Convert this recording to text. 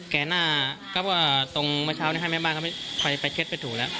หน้าก็ว่าตรงเมื่อเช้านี้ให้แม่บ้านเขาคอยไปเคล็ดไปถูกแล้ว